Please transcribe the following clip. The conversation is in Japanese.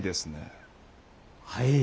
はい。